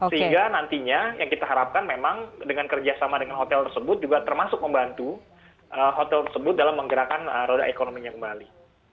sehingga nantinya yang kita harapkan memang dengan kerjasama dengan hotel tersebut juga termasuk membantu hotel tersebut dalam menggerakkan roda ekonominya kembali